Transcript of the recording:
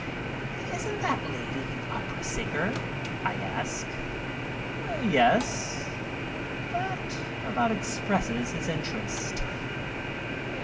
"Isn't that lady the opera singer?" I ask. "Yes." That about expresses his interest.